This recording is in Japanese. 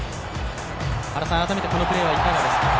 改めてこのプレーはいかがですか？